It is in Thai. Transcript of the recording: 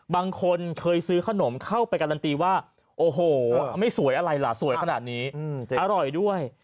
บางคนเคยซื้อขนมเข้าไปการันตีว่าโอ้โหไม่สวยอะไรล่ะสวยขนาดนี้อร่อยด้วย